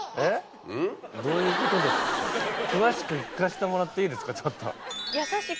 詳しく聞かせてもらっていいですかちょっと。